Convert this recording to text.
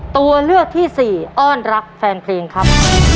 ตัวเลือกที่สี่อ้อนรักแฟนเพลงครับ